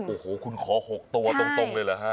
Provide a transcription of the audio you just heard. โอ้โหคุณขอ๖ตัวตรงเลยเหรอฮะ